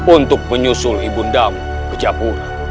untuk menyusul ibu undaku ke japura